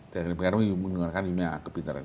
dan karena you menggunakan kepinteran